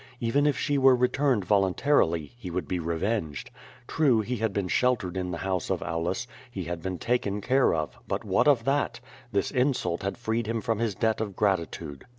Even if she were returned voluntarily, he would be revenged. True, he had been sheltered in the house of Aulus, he had been taken care of — but what of that? This insult had freed him from his debt of gratitude.